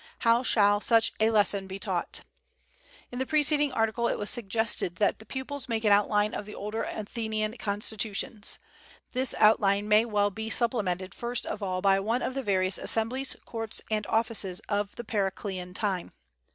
How shall such a lesson be taught? In a preceding article it was suggested that the pupils make an outline of the older Athenian constitutions. This outline may well be supplemented first of all by one of the various assemblies, courts and offices of the Periclean time.